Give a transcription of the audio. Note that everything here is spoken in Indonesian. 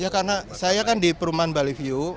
ya karena saya kan di perumahan bali view